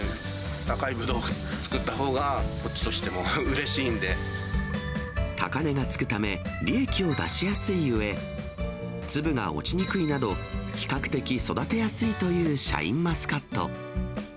高いブドウを作ったほうが、高値がつくため、利益を出しやすいうえ、粒が落ちにくいなど、比較的育てやすいというシャインマスカット。